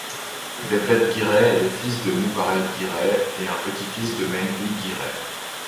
Devlet Giray est le fils de Mubarek Giray et un petit-fils de Mengli Giray.